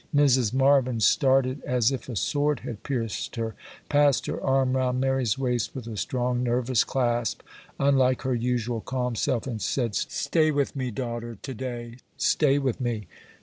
Mrs. Marvyn started as if a sword had pierced her, passed her arm round Mary's waist, with a strong, nervous clasp, unlike her usual calm self, and said, 'Stay with me, daughter, to day!—stay with me!